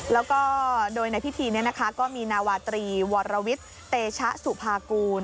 แล้วก็โดยในพิธีนี้นะคะก็มีนาวาตรีวรวิทย์เตชะสุภากูล